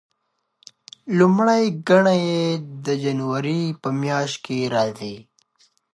لومړۍ ګڼه یې د جنوري په میاشت کې راځي.